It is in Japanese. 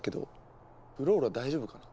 フローラ大丈夫かな。